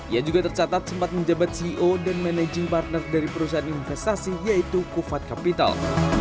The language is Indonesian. ia juga tercatat sempat menjabat ceo dan managing partner dari perusahaan investasi yaitu kufat capital